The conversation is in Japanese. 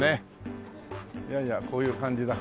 いやいやこういう感じだ。